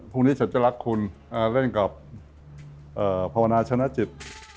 พรุ่งนี้ฉันจะรักคุณเล่นกับภาวนาชนะจิต